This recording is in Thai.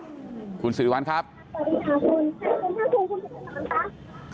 สวัสดีค่ะคุณสวัสดีครับคุณคุณผู้ชายสนามค่ะ